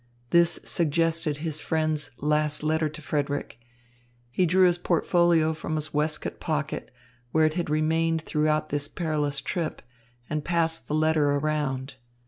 This suggested his friend's last letter to Frederick. He drew his portfolio from his waistcoat pocket, where it had remained throughout his perilous trip, and passed the letter around.